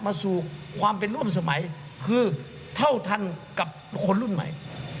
สู่ความเป็นร่วมสมัยคือเท่าทันกับคนรุ่นใหม่